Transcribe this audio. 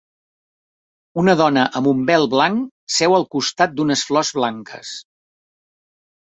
Una dona amb un vel blanc seu al costat d'unes flors blanques.